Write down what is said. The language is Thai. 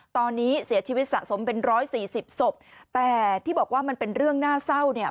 ตอนนี้เสียชีวิตสะสมเป็นร้อยสี่สิบศพแต่ที่บอกว่ามันเป็นเรื่องน่าเศร้าเนี่ย